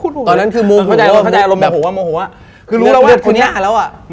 ตอนนั้นคือโมงหัวคือรู้แล้วว่าคุณหน้าแล้วอะ